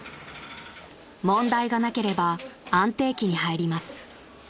［問題がなければ安定期に入ります］